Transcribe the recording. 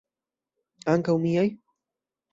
Ankaŭ miaj?